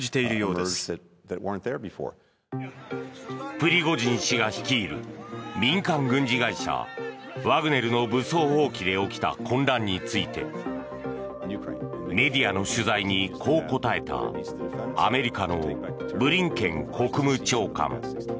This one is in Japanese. プリゴジン氏が率いる民間軍事会社ワグネルの武装蜂起で起きた混乱についてメディアの取材にこう答えたアメリカのブリンケン国務長官。